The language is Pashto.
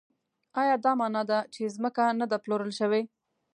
ایا دا مانا ده چې ځمکه نه ده پلورل شوې؟